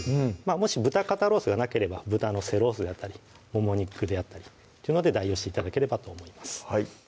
もし豚肩ロースがなければ豚の背ロースであったりもも肉であったりというので代用して頂ければと思います